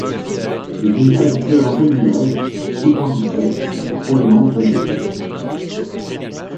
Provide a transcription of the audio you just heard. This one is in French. Le cimetière est situé à l'entrée du village, route principale, en provenance d'Abbeville.